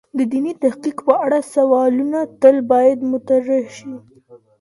د دیني تحقیق په اړه سوالونه تل باید مطرح شی.